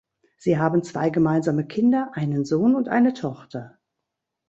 Sie haben zwei gemeinsame Kinder, einen Sohn und eine Tochter.